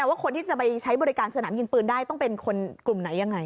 ว่าคนที่จะไปใช้บริการสนามยิงปืนได้ต้องเป็นคนกลุ่มไหนยังไง